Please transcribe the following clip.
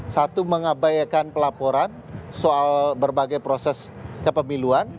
satu mengabaikan pelaporan soal berbagai proses kepemiluan